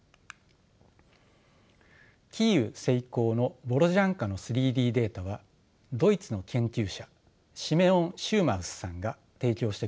キーウ西郊のボロジャンカの３Ｄデータはドイツの研究者シメオン・シューマウスさんが提供してくれました。